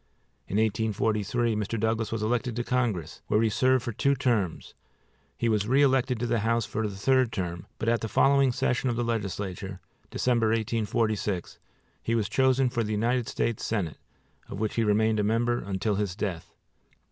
In 1843 Mr. Douglas was elected to Congress, where he served for two terms; he was re elected to the House for the third term, but at the following session of the legislature, December, 1846, he was chosen for the United States Senate, of which he remained a member until his death.